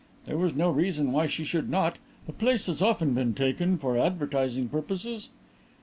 There was no reason why she should not; the place has often been taken for advertising purposes."